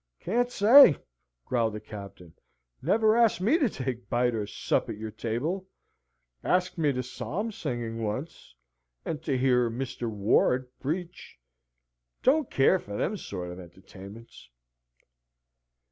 "Can't say," growled the Captain. "Never asked me to take bite or sup at your table. Asked me to psalm singing once, and to hear Mr. Ward preach: don't care for them sort of entertainments."